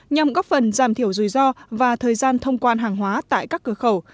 nhằm góp phần giảm thiểu rủi ro và thời gian thông quan hàng hóa tại các cửa khẩu